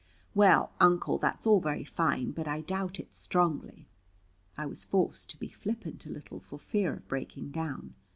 "Well, Uncle, that's all very fine, but I doubt it strongly." I was forced to be flippant a little, for fear of breaking down.